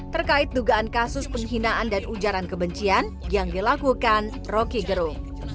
terkait dugaan kasus penghinaan dan ujaran kebencian yang dilakukan roky gerung